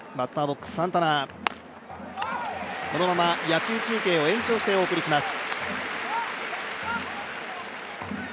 このまま野球中継を延長してお送りします。